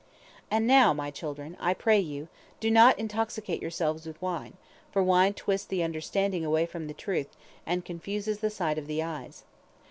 "And now, my children, I pray you, do not intoxicate yourselves with wine, for wine twists the understanding away from the truth, and confuses the sight of the eyes.